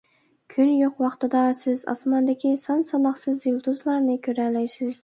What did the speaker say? كۈن يوق ۋاقتىدا سىز ئاسماندىكى سان-ساناقسىز يۇلتۇزلارنى كۆرەلەيسىز.